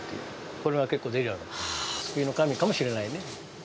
これが結構売れるようになって救いの神かもしれないね。